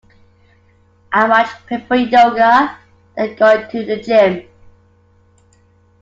I much prefer yoga than going to the gym